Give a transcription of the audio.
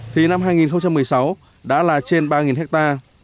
thì năm hai nghìn một mươi sáu đã là trên ba hectare